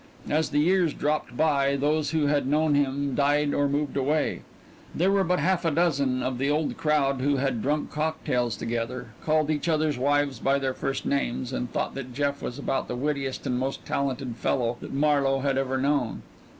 As the years dropped by those who had known him died or moved away there were but half a dozen of the old crowd who had drunk cocktails together, called each other's wives by their first names, and thought that Jeff was about the wittiest and most talented fellow that Marlowe had ever known.